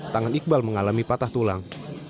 tangan iqbal mengalami patah tulang